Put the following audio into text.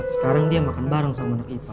kemarin dia yang paling anti sama nona ipa